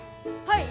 はい！